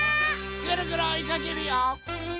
ぐるぐるおいかけるよ！